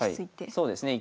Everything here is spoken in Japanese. そうですね。